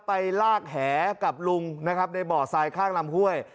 ไปลากแหกับลุงนะครับในบ่อทรายข้างลำห้วย